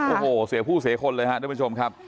โอ้โหเสียผู้เสียคนเลยครับทุกผู้ชมครับ